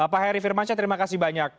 pak harry firmancha terima kasih banyak